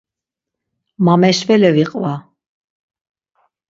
Mameşvele viqva.